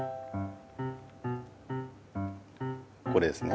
これですね。